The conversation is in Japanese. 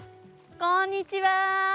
こんにちは！